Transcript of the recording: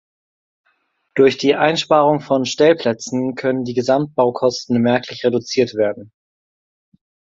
Durch die Einsparung von Stellplätzen können die Gesamtbaukosten merklich reduziert werden.